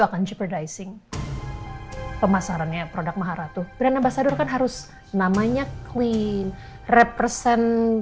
akan jeopardizing pemasarannya produk maharatu brand ambasador kan harus namanya clean represent